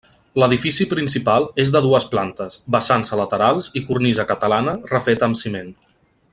L’edifici principal és de dues plantes, vessants a laterals i cornisa catalana refeta amb ciment.